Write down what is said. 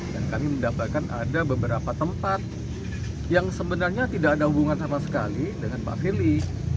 dan kami mendapatkan ada beberapa tempat yang sebenarnya tidak ada hubungan sama sekali dengan pak fili